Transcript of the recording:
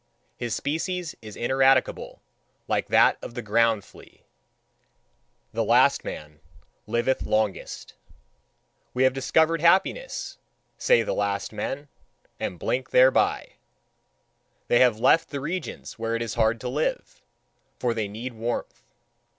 His species is ineradicable like that of the ground flea; the last man liveth longest. "We have discovered happiness" say the last men, and blink thereby. They have left the regions where it is hard to live; for they need warmth.